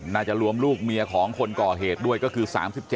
น่าจะรวมลูกเมียของคนก่อเหตุด้วยก็คือ๓๗